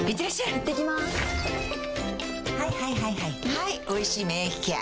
はい「おいしい免疫ケア」